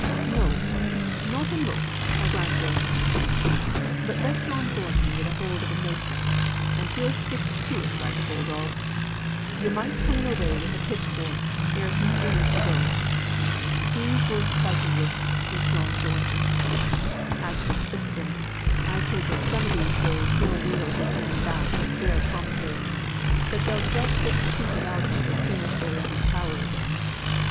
"No! not in look, I grant yo. But let John Thornton get hold on a notion, and he'll stick to it like a bulldog; yo might pull him away wi' a pitchfork ere he'd leave go. He's worth fighting wi', is John Thornton. As for Slickson, I take it, some o' these days he'll wheedle his men back wi' fair promises; that they'll just get cheated out of as soon as they're in his power again.